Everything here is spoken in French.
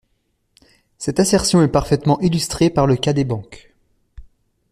Cette assertion est parfaitement illustrée par le cas des banques.